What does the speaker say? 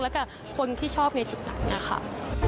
แล้วก็คนที่ชอบในจุดหลังนะคะ